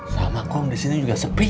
sama kong disini juga sepi